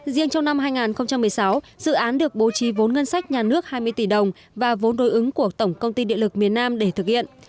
riêng trong năm hai nghìn một mươi sáu dự án được bố trí vốn ngân sách nhà nước hai mươi tỷ đồng và vốn đối ứng của tổng công ty địa lực miền nam để thực hiện